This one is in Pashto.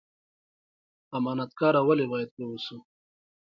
امانت کاره ولې باید اوسو؟